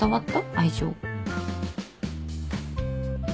愛情。